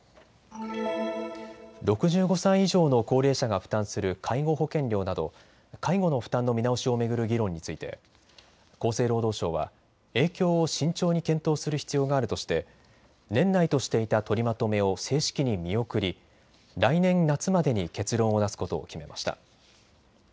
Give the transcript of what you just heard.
６５歳以上の高齢者が負担する介護保険料など介護の負担の見直しを巡る議論について厚生労働省は影響を慎重に検討する必要があるとして年内としていた取りまとめを正式に見送り来年、夏までに結論を出すことを決めました。